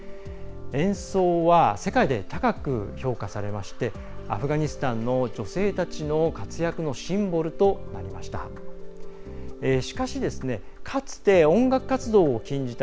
演奏は世界で高く評価されましてアフガニスタンの女性たちの活躍のシンボルとなりました。